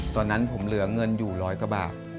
ตอนนั้นผมเหลือเงินอยู่ร้อยกว่าบาท